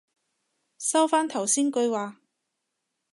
收返頭先句話